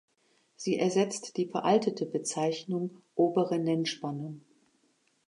Sie ersetzt die veraltete Bezeichnung „obere Nennspannung“.